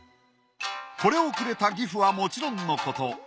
これをくれた義父はもちろんのこと